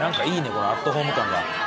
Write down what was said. このアットホーム感が。